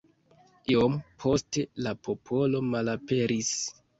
Iom poste la popolo malaperis.